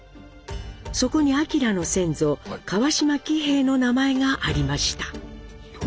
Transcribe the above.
そこに明の先祖川島喜兵衛の名前がありました。